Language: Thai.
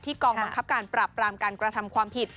กองบังคับการปราบปรามการกระทำความผิด